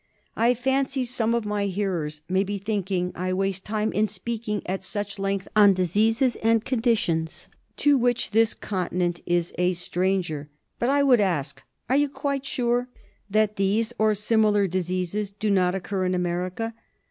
''^ I fancy some of my hearers may be thinking I waste time in speaking at such length on diseases and con ditions to which this Continent is a stranger. But, I would ask, are you quite sure that these or similar diseases do not occur in America?